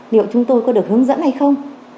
liệu chúng tôi có được hướng dẫn hay không